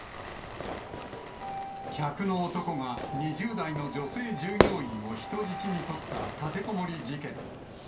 客の男が２０代の女性従業員を人質に取った立てこもり事件。